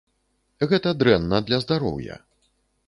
Гэта дрэнна для здароўя.